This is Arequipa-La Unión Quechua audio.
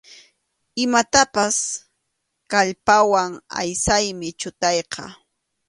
Imatapas kallpawan aysaymi chutayqa.